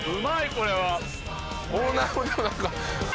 これは。